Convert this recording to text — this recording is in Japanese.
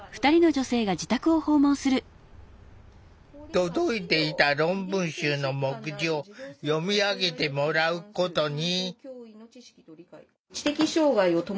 届いていた論文集の目次を読み上げてもらうことに。